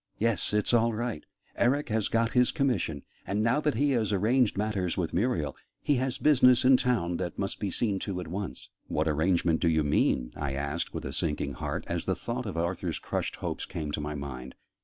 Yes, it's all right: Eric has got his commission; and, now that he has arranged matters with Muriel, he has business in town that must be seen to at once." "What arrangement do you mean?" I asked with a sinking heart, as the thought of Arthur's crushed hopes came to my mind.